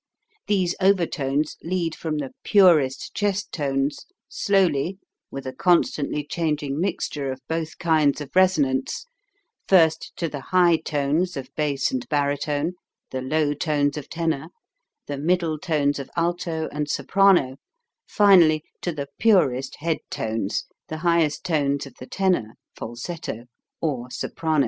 These overtones lead from the purest chest tones, slowly, witha constantly changing mixture of both kinds of resonance, first to the high tones of bass and baritone, the low tones of tenor, the middle tones of alto and soprano, finally to the purest head tones, the highest tones of the tenor (falsetto), or soprano.